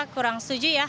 kurang setuju ya